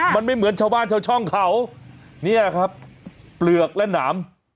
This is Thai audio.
มันไม่เหมือนชาวบ้านชาวช่องเขาเนี่ยครับเปลือกและหนาม